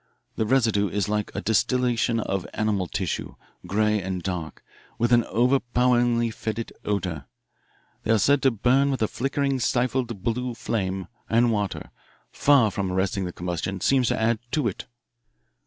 The residue is like a distillation of animal tissue, grey and dark, with an overpoweringly fetid odour. They are said to burn with a flickering stifled blue flame, and water, far from arresting the combustion, seems to add to it.